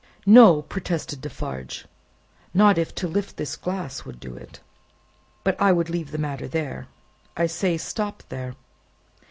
"No!" protested Defarge. "Not if to lift this glass would do it! But I would leave the matter there. I say, stop there."